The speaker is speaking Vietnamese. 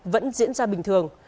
vẫn diễn ra bình thường